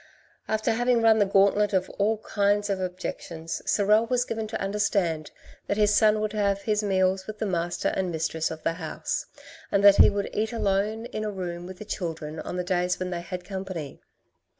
After having run the gauntlet of all kinds of objections, Sorel was given to understand that his son would have his meals with the master and mistress of the house, and that he would eat alone in a room with the children on the days when they had company.